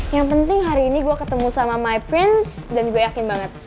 yang penting hari ini gue ketemu sama my prince dan gue yakin banget